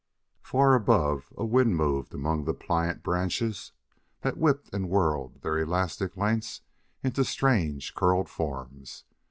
Far above a wind moved among the pliant branches that whipped and whirled their elastic lengths into strange, curled forms.